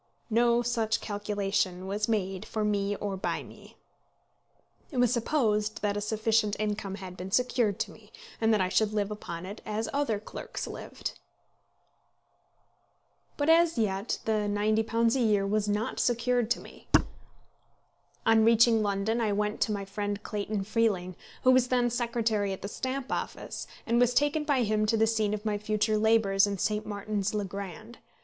No such calculation was made for me or by me. It was supposed that a sufficient income had been secured to me, and that I should live upon it as other clerks lived. But as yet the £90 a year was not secured to me. On reaching London I went to my friend Clayton Freeling, who was then secretary at the Stamp Office, and was taken by him to the scene of my future labours in St. Martin's le Grand.